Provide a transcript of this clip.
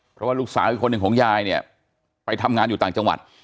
เพราะว่าลูกสาวอีกคนหนึ่งของยายเนี่ยไปทำงานอยู่ต่างจังหวัด